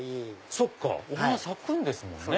そっかお花咲くんですもんね。